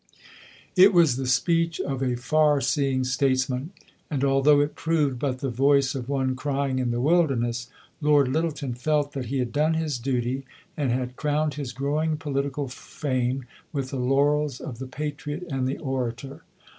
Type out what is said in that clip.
'" It was the speech of a far seeing statesman; and although it proved but the "voice of one crying in the wilderness," Lord Lyttelton felt that he had done his duty and had crowned his growing political fame with the laurels of the patriot and the orator.